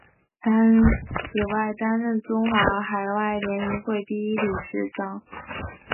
此外担任中华海外联谊会第一届理事会名誉会长等。